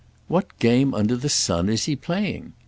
"What game under the sun is he playing?"